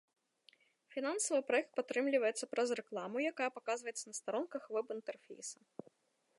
Фінансава праект падтрымліваецца праз рэкламу, якая паказваецца на старонках веб-інтэрфейса.